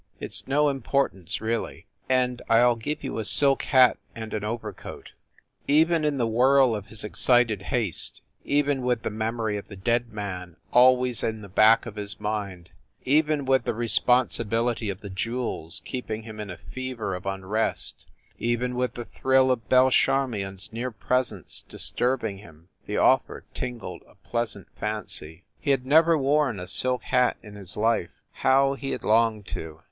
It s no importance, really, and I ll give you a silk hat and an over coat" Even in the whirl of his excited haste, even with the memory of the dead man always in the back of his mind, even with the responsibility of the jewels keeping him in a fever of unrest, even with the thrill of Belle Charmion s near presence disturbing him, the offer tingled a pleasant fancy. He had WYCHERLEY COURT 239 never worn a silk hat in his life how he had longed to!